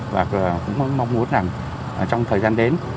và cũng mong muốn rằng trong thời gian đến